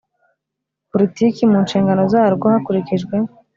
Politiki mu nshingano zarwo hakurikijwe